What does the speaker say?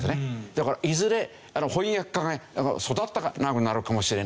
だからいずれ翻訳家が育たなくなるかもしれない。